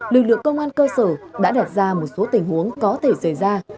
lực lượng công an cơ sở đã đặt ra một số tình huống có thể xảy ra